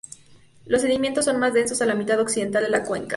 Los sedimentos son más densos en la mitad occidental de la cuenca.